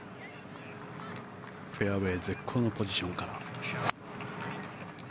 フェアウェー絶好のポジションから。